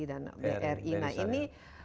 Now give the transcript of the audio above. dan bri nah ini